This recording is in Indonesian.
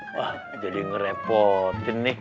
wah jadi ngerepotin nih